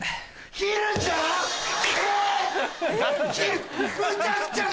ひるちゃんえっ